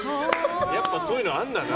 やっぱりそういうのあるんだな。